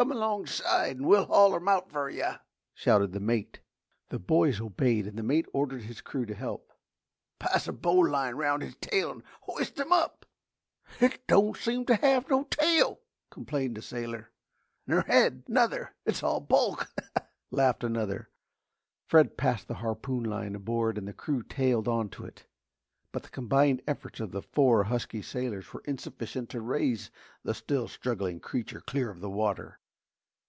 "Come alongside and we'll haul him out fer you!" shouted the mate. The boys obeyed and the mate ordered his crew to help. "Pass a bo'line 'round his tail and hoist 'im up!" "Hit don't seem to have no tail," complained a sailor. "Ner head, nuther it's all bulk!" laughed another. Fred passed the harpoon line aboard and the crew tailed on to it. But the combined efforts of the four husky sailors were insufficient to raise the still struggling creature clear of the water.